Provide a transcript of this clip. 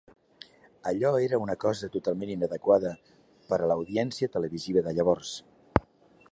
Allò era una cosa totalment inadequada per a l'audiència televisiva de llavors.